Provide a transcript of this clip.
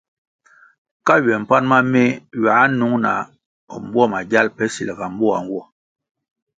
Ka ywe mpan ma meh ywā nung na mbwo magyal pe silga mboa nwo.